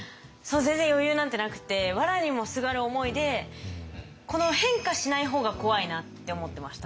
全然余裕なんてなくてわらにもすがる思いで変化しない方が怖いなって思ってました。